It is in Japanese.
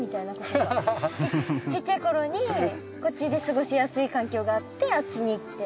ちっちゃい頃にこっちで過ごしやすい環境があってあっちに行って。